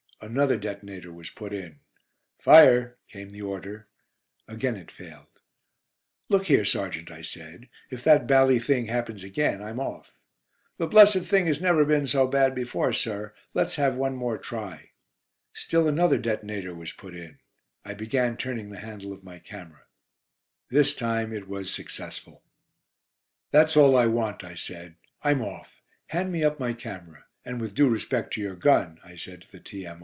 Another detonator was put in. "Fire," came the order. Again it failed. "Look here, sergeant," I said, "if that bally thing happens again I'm off." "The blessed thing has never been so bad before, sir. Let's have one more try." Still another detonator was put in. I began turning the handle of my camera. This time it was successful. "That's all I want," I said. "I'm off. Hand me up my camera. And with due respect to your gun," I said to the T.M.